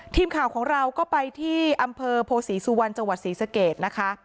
ทีมข่าวของเราก็ไปที่อำเภอโพศรีสุวรรณจังหวัดศรีสเกตนะคะ